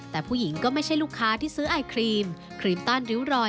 แต่ผู้หญิงก็ไม่ใช่ลูกค้าที่ซื้อไอครีมครีมต้านริ้วรอย